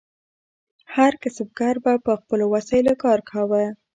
هر کسبګر به په خپلو وسایلو کار کاوه.